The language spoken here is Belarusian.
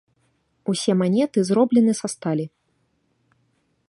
Усе манеты зроблены са сталі.